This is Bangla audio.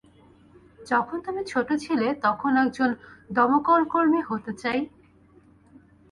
যখন তুমি ছোট ছিলে তখন একজন দমকলকর্মী হতে চাই?